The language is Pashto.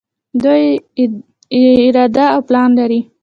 دوی اراده او پلان لري.